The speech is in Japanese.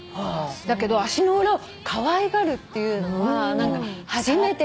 だけど足の裏をかわいがるっていうのは初めて聞いた。